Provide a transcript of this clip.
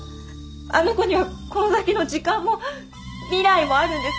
あの子にはこの先の時間も未来もあるんです。